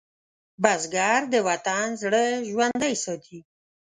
بزګر د وطن زړه ژوندی ساتي